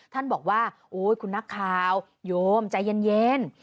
ท่านบอกว่าโอ๊ยคุณนักข่าวโยมใจเย็น